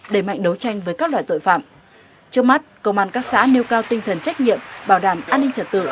đẩy mạnh đấu tranh với các loại tội phạm trước mắt công an các xã nêu cao tinh thần trách nhiệm bảo đảm an ninh trật tự